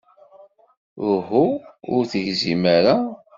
Uhu, ur tegzim ara.